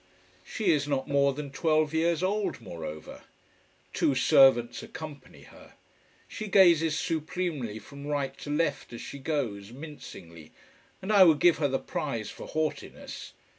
She is not more than twelve years old, moreover. Two servants accompany her. She gazes supremely from right to left as she goes, mincingly, and I would give her the prize for haughtiness.